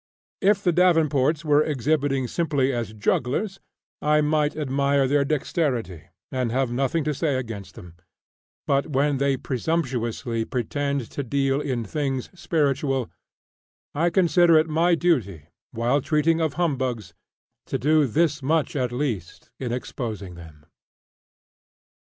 If the Davenports were exhibiting simply as jugglers, I might admire their dexterity, and have nothing to say against them; but when they presumptuously pretend to deal in "things spiritual," I consider it my duty, while treating of humbugs, to do this much at least in exposing them.